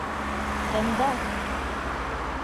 Тыңда.